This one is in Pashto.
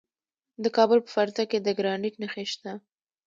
د کابل په فرزه کې د ګرانیټ نښې شته.